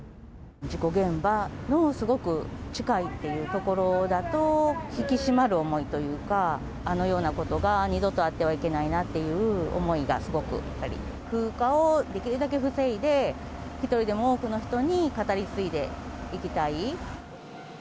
事故現場のすごく近いという所だと、引き締まる思いというか、あのようなことが二度とあってはいけないなというような思いがすごくあり、風化をできるだけ防いで、一人でも多くの人に語り継いでいきたい。